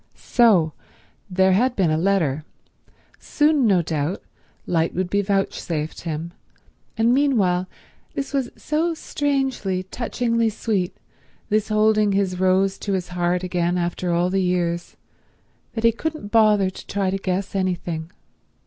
So there had been a letter. Soon, no doubt, light would be vouchsafed him, and meanwhile this was so strangely, touchingly sweet, this holding his Rose to his heart again after all the years, that he couldn't bother to try to guess anything.